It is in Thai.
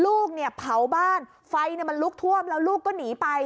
ลูกเนี่ยเผาบ้านไฟมันลุกท่วมแล้วลูกก็หนีไป